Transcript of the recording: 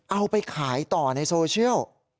เอาไปขายต่อในโซเชียล